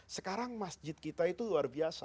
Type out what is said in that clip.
sekarang masjid kita itu luar biasa